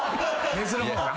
メスの方。